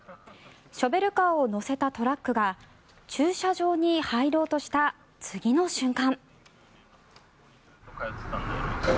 ショベルカーを載せたトラックが駐車場に入ろうとした次の瞬間。